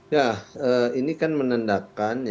ya ini kan menandakan